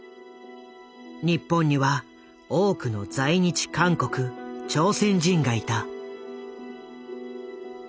日本には多くの在日韓国・朝鮮人がいた。